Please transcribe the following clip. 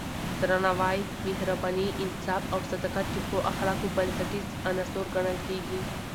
درناوی، مهرباني، انصاف او صداقت د ښو اخلاقو بنسټیز عناصر ګڼل کېږي.